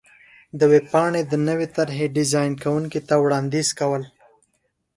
-د ویبپاڼې د نوې طر حې ډېزان کوونکي ته وړاندیز کو ل